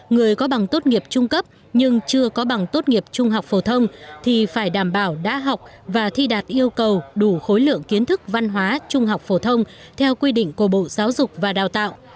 người có bằng tốt nghiệp trung cấp nhưng chưa có bằng tốt nghiệp trung học phổ thông thì phải đảm bảo đã học và thi đạt yêu cầu đủ khối lượng kiến thức văn hóa trung học phổ thông theo quy định của bộ giáo dục và đào tạo